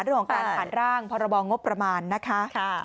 ด้วยของการอาหารร่างพรงประมาณนะคะ